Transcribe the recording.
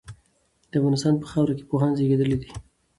د افغانستان په خاوره کي پوهان زېږيدلي دي.